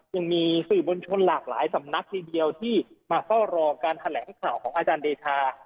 ยังมีสื่อบนชนหลากหลายสำนักทีเดียวที่มาเฝ้ารอการแถลงข่าวของอาจารย์เดชา